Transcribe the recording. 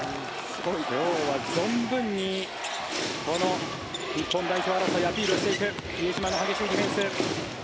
今日は存分にこの日本代表でアピールをしていく比江島の激しいディフェンス。